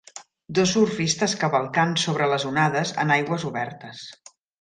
dos surfistes cavalcant sobre les onades en aigües obertes